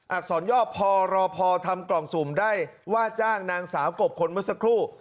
อักษรย่อพอรอพอทำกล่องสุ่มได้ว่าจ้างนางสาวกบคนเมื่อสักครู่